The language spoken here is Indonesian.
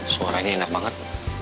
suaranya enak banget